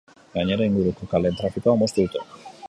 Gainera, inguruko kaleen trafikoa moztu dute.